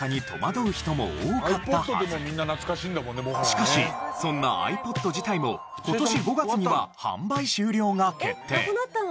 しかしそんなｉＰｏｄ自体も今年５月には販売終了が決定。